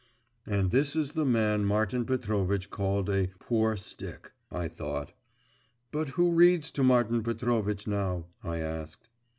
'And this is the man Martin Petrovitch called a "poor stick,"' I thought. 'But who reads to Martin Petrovitch now?' I asked.